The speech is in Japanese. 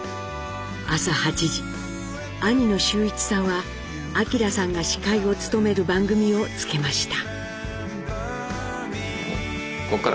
朝８時兄の修一さんは明さんが司会を務める番組をつけました。